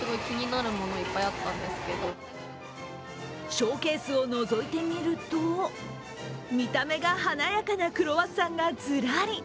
ショーケースをのぞいてみると見た目が華やかなクロワッサンがずらり。